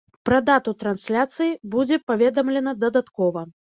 Пра дату трансляцыі будзе паведамлена дадаткова.